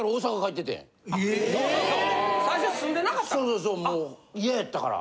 そうそうもう嫌やったから。